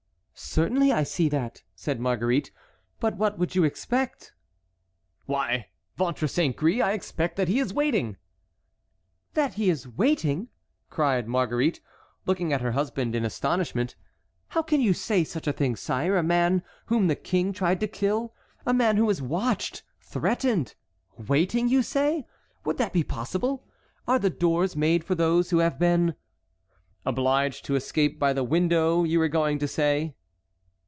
"Certainly I see that," said Marguerite. "But what would you expect?" "Why! ventre saint gris! I expect that he is waiting!" "That he is waiting!" cried Marguerite, looking at her husband in astonishment. "How can you say such a thing, sire? A man whom the King tried to kill—a man who is watched, threatened—waiting, you say! Would that be possible?—are the doors made for those who have been"— "Obliged to escape by the window—you were going to say?"